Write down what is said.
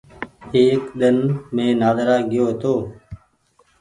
ايڪ ۮن مين نآدرا گئيو هيتو۔